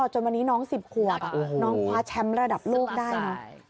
จนวันนี้น้อง๑๐ขวบน้องคว้าแชมป์ระดับโลกได้นะ